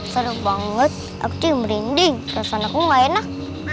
seru banget aku cium rinding rasanya aku gak enak